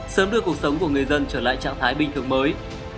sớm đưa cuộc sống của người dân trở lại trạng thái bình thường mới